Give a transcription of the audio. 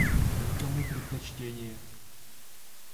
Никому предпочтения.